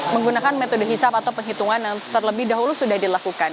menggunakan metode hisap atau penghitungan yang terlebih dahulu sudah dilakukan